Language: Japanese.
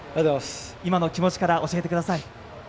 今のお気持ちから教えてください。